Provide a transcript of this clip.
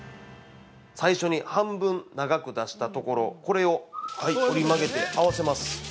◆最初に半分、長く出したところこれを折り曲げて合わせます。